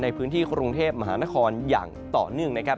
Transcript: ในพื้นที่กรุงเทพมหานครอย่างต่อเนื่องนะครับ